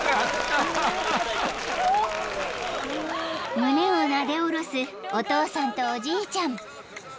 ［胸をなで下ろすお父さんとおじいちゃん］